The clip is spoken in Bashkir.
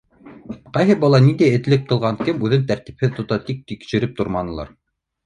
Ҡайһы бала ниндәй этлек ҡылған, кем үҙен тәртипһеҙ тота тип тикшереп торманылар.